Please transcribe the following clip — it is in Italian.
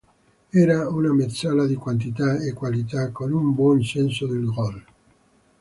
Era una mezzala di quantità e qualità, con un buon senso del gol.